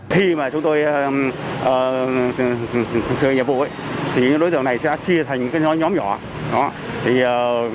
khi mà chúng tôi chơi nhiệm vụ đối tượng này sẽ chia thành nhóm nhỏ